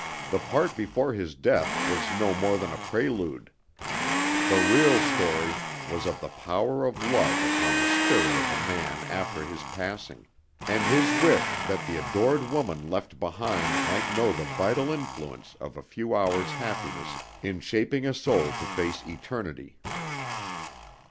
The part before his death was no more than a prelude. The real story was of the power of love upon the spirit of a man after his passing, and his wish that the adored woman left behind might know the vital influence of a few hours' happiness in shaping a soul to face eternity.